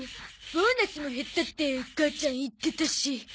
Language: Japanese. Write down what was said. ボーナスも減ったって母ちゃん言ってたし。